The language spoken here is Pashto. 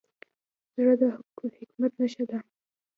زړه د حکمت نښه ده.